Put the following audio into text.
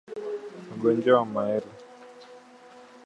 Ugonjwa wa malale